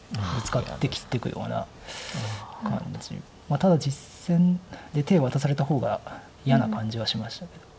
ただ実戦で手を渡された方が嫌な感じはしましたけど。